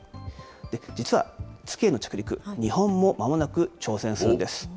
実は月への着陸、日本もまもなく挑戦するんです。